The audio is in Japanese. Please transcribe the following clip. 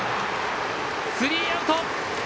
スリーアウト！